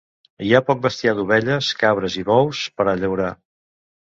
Hi ha poc bestiar d'ovelles, cabres i bous, per a llaurar.